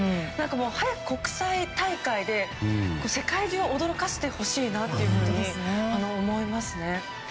早く国際大会で世界中を驚かせてほしいなと思いますね。